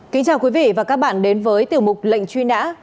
kính chào quý vị và các bạn đến với tiểu mục lệnh truy nã